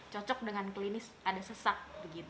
cocok dengan klinis ada sesak